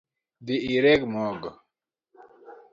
Dhi ireg mogo